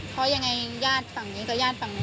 เพราะยังไงญาติฝั่งนี้กับญาติฝั่งนี้